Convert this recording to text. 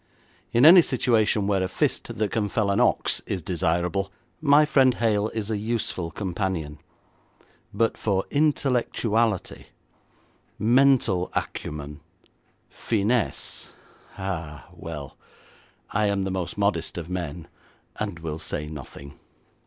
In any situation where a fist that can fell an ox is desirable, my friend Hale is a useful companion, but for intellectuality, mental acumen, finesse ah, well! I am the most modest of men, and will say nothing.